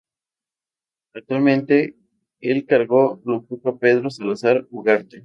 Actualmente el cargo lo ocupa Pedro Salazar Ugarte.